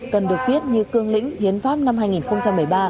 cần được viết như cương lĩnh hiến pháp năm hai nghìn một mươi ba